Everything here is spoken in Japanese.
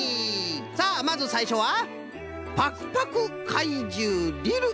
さあまずさいしょは「パクパク怪獣リル」